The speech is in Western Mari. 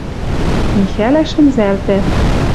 Михӓлӓ шӹнзӓлтӓ